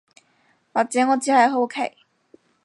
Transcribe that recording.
或者我只係好奇